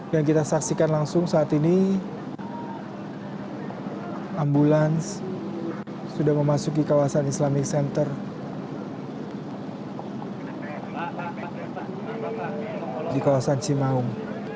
yang kita saksikan langsung saat ini ambulans sudah memasuki kawasan islamic center di kawasan cimaung